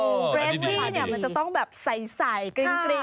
เฟรชชี้มันจะต้องใส่กริ๊งเลย